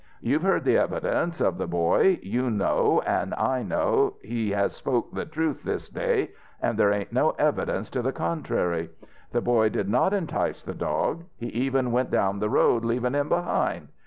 You've heard the evidence of the boy. You know, an' I know, he has spoke the truth this day, an' there ain't no evidence to the contrary. The boy did not entice the dog. He even went down the road, leavin' him behind.